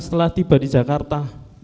setelah tiba di jakarta